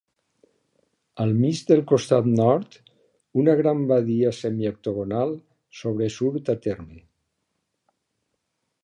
Al mig del costat nord, "una gran badia semi-octogonal" sobresurt a terme.